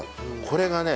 これがね